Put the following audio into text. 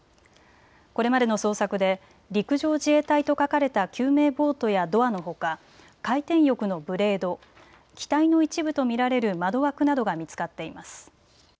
これまでの捜索で陸上自衛隊と書かれた救命ボートやドアのほか、回転翼のブレード、機体の一部と見られる窓枠などが見つかっています。